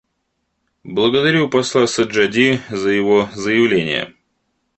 Благодарю посла Саджади за его заявление.